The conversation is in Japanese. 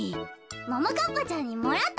ももかっぱちゃんにもらったのね。